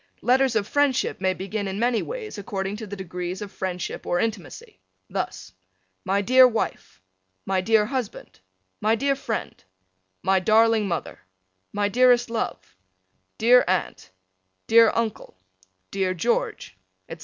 Letters of friendship may begin in many ways according to the degrees of friendship or intimacy. Thus: My dear Wife: My dear Husband: My dear Friend: My darling Mother: My dearest Love: Dear Aunt: Dear Uncle: Dear George: etc.